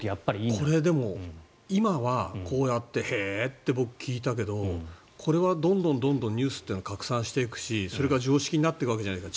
これ、今はこうやってへーって僕、聞いたけどこれはどんどんニュースというのは拡散していくしそれが常識になっていくわけじゃないですか。